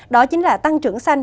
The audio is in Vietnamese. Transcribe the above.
đó chính là tăng trưởng xanh